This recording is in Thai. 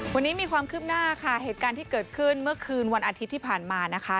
วันนี้มีความคืบหน้าค่ะเหตุการณ์ที่เกิดขึ้นเมื่อคืนวันอาทิตย์ที่ผ่านมานะคะ